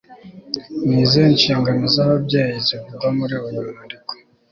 ni izihe nshingano z ababyeyi zivugwa muri uyu mwandiko